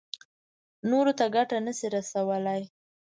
نورو ته ګټه نه شي رسولی.